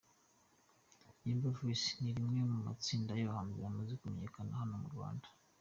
Yemba Voice ni rimwe mu matsinda y'abahanzi amze kumenyekana hano mu Rwanda.